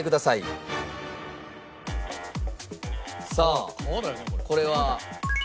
さあこれは。